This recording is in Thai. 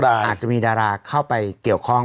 อาจจะมีดาราเข้าไปเกี่ยวข้อง